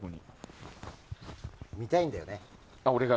見たいんだよね。